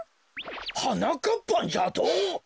「はなかっぱん」じゃと？